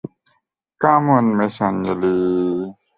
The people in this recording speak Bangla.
Come on miss Anjali!